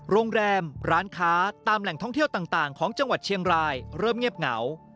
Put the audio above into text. โรงแรมร้านค้าตามแหล่งท่องเที่ยวต่างของจังหวัดเชียงรายเริ่มเงียบเหงา